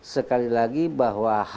sekali lagi bahwa